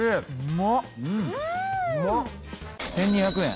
１２００円。